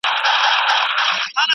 الله د نېکانو مل دی.